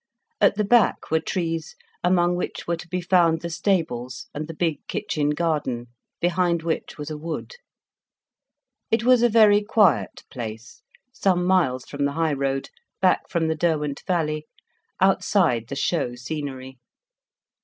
At the back were trees, among which were to be found the stables, and the big kitchen garden, behind which was a wood. It was a very quiet place, some miles from the high road, back from the Derwent Valley, outside the show scenery.